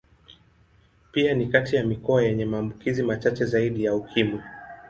Pia ni kati ya mikoa yenye maambukizi machache zaidi ya Ukimwi.